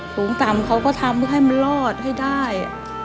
สูงต่ำเขาก็ทำให้มันรอดให้ได้